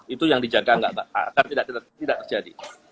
itu yang dijaga agar tidak terjadi